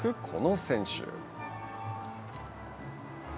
この選手。